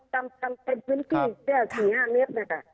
ทำเป็นวินทรีย์แค่๔๕เมตร